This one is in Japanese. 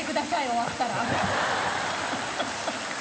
終わったら。